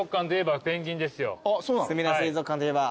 すみだ水族館といえば。